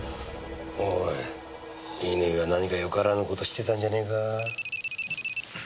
おい乾は何かよからぬ事してたんじゃねえか？